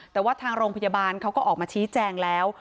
แต่ว่าทางโรงพยาบาลเขาก็ออกมาชี้แจงแล้ว